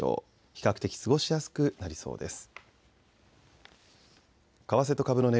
比較的過ごしやすくなりそうです。